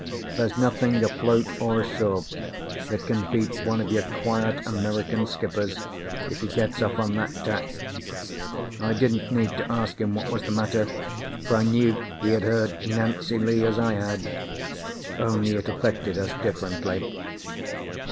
There's nothing afloat or ashore that can beat one of your quiet American skippers, if he gets off on that tack. I didn't need to ask him what was the matter, for I knew he had heard "Nancy Lee," as I had, only it affected us differently.